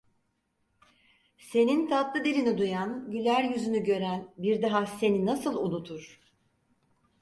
Senin tatlı dilini duyan, güler yüzünü gören bir daha seni nasıl unutur?